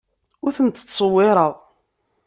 Ur tent-ttṣewwireɣ.